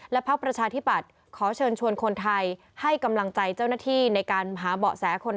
พักประชาธิปัตย์ขอเชิญชวนคนไทยให้กำลังใจเจ้าหน้าที่ในการหาเบาะแสคน